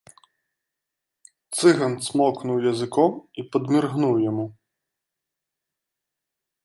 Цыган цмокнуў языком і падміргнуў яму.